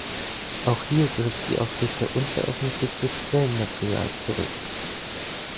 Auch hier griff sie auf bisher unveröffentlichtes Quellenmaterial zurück.